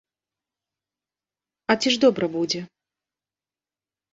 А ці ж добра будзе?!